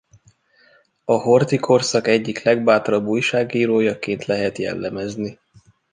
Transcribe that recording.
A Horthy-korszak egyik legbátrabb újságírójaként lehet jellemezni.